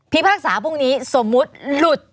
พากษาพรุ่งนี้สมมุติหลุด